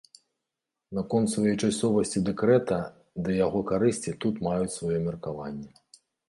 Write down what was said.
Наконт своечасовасці дэкрэта ды яго карысці тут маюць сваё меркаванне.